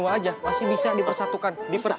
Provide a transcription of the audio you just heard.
eh bangkuan men